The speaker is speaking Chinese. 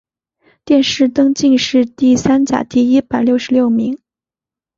殿试登进士第三甲第一百六十六名。